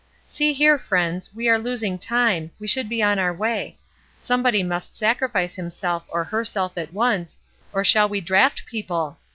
"See here, friends, we are losing time, we should be on our way. Somebody must sacrifice himself or herself at once, or shall we draft people?